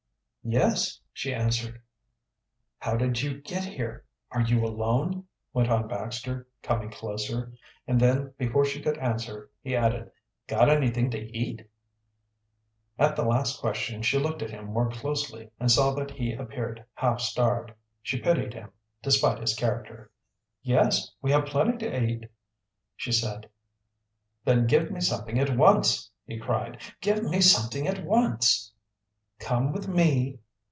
"Yes," she answered. "How did you get here? Are you alone?" went on Baxter, coming closer. And then before she could answer, he added: "Got anything to eat?" At the last question she looked at him more closely, and saw that he appeared half starved. She pitied him despite his character. "Yes, we have plenty to eat," she said. "Then give me something at once," he cried. "Give me something at once!" "Come with me."